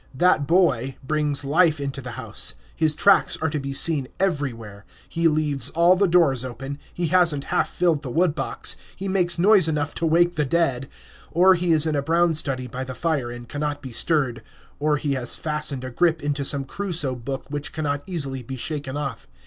"That boy" brings life into the house; his tracks are to be seen everywhere; he leaves all the doors open; he has n't half filled the wood box; he makes noise enough to wake the dead; or he is in a brown study by the fire and cannot be stirred, or he has fastened a grip into some Crusoe book which cannot easily be shaken off.